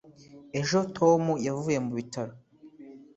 ejo tom yavuye mu bitaro